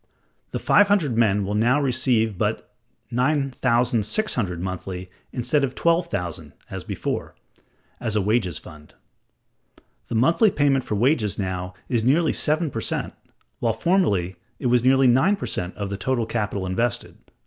(165) The five hundred men will now receive but $9,600 monthly instead of $12,000, as before, as a wages fund; the monthly payment for wages now is nearly seven per cent, while formerly it was nearly nine per cent of the total capital invested ($140,000).